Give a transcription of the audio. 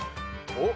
おっ！